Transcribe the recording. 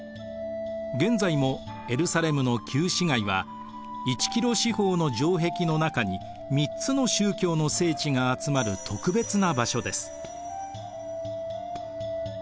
現在もエルサレムの旧市街は１キロ四方の城壁の中に３つの宗教の聖地が集まる特別な場所です。